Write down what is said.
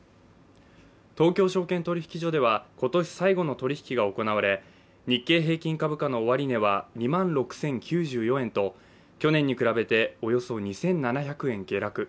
東京証券取引所では今年最後の取引が行われ日経平均株価の終値は２万６０９４円と去年に比べておよそ２７００円下落。